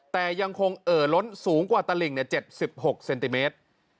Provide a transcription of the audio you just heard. แต่ยังคงเอ่อล้นสูงกว่าตลิ่ง๗๖เซนติเมตร